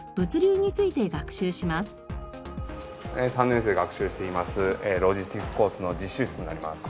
３年生が学習していますロジスティクスコースの実習室になります。